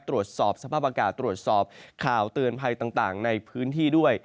ตรวจสอบสภาพอากาศตรวจสอบข่าวเตือนภัยต่างในพื้นที่ด้วย